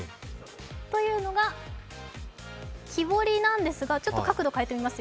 というのが、木彫りなんですがちょっと角度変えてみます。